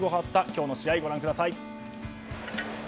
今日の試合、ご覧ください。